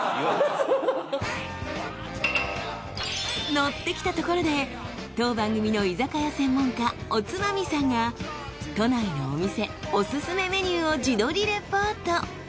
のってきたところで当番組の居酒屋専門家おつまみさんが都内のお店オススメメニューを自撮りレポート。